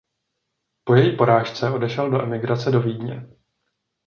Po její porážce odešel do emigrace do Vídně.